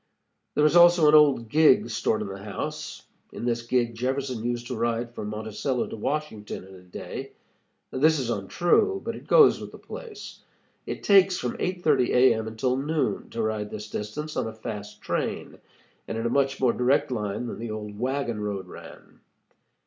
There is also an old gig stored in the house. In this gig Jefferson used to ride from Monticello to Washington in a day. This is untrue, but it goes with the place. It takes from 8:30 A. M. until noon to ride this distance on a fast train, and in a much more direct line than the old wagon road ran.